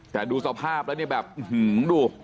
แต่ดูสภาพแล้วนี่แบบอื้อหือดู